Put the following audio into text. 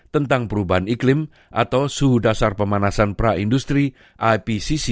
tentang perubahan iklim atau suhu dasar pemanasan pra industri ipcc